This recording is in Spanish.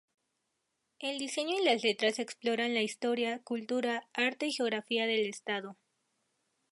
El diseño y las letras exploran la historia, cultura, arte y geografía del estado.